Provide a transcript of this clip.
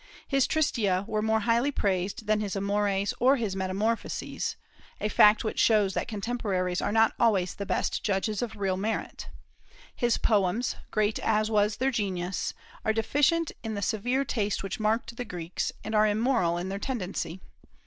His "Tristia" were more highly praised than his "Amores" or his "Metamorphoses," a fact which shows that contemporaries are not always the best judges of real merit. His poems, great as was their genius, are deficient in the severe taste which marked the Greeks, and are immoral in their tendency.